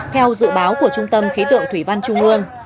theo dự báo của trung tâm khí tượng thủy văn trung ương